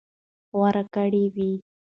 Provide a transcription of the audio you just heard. غوره کړى وي.